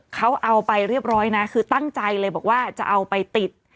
เขาเอาไปเรียบร้อยนะคือตั้งใจเลยบอกว่าจะเอาไปติด